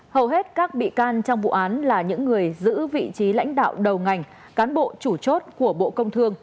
hầu hết các bị can trong vụ án là những người giữ vị trí lãnh đạo đầu ngành cán bộ chủ chốt của bộ công thương